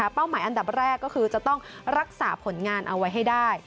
หมายอันดับแรกก็คือจะต้องรักษาผลงานเอาไว้ให้ได้